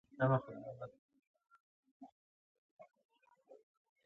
هسې نوم یې د شریعت دی.